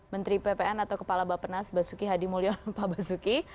menteri ppn atau kepala bapak penas basuki hadi mulyo pak basuki